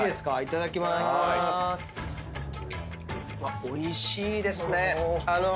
うわっおいしいですね！